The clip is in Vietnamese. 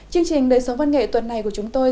chương trình đời sống văn nghệ tuần này của chúng tôi